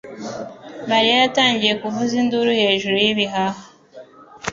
Mariya yatangiye kuvuza induru hejuru y'ibihaha.